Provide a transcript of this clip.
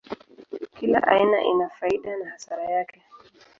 Kila aina ina faida na hasara yake.